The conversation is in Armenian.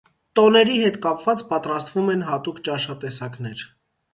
Տոների հետ կապված պատրաստվում են հատուկ ճաշատեկասներ։